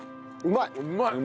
うまい！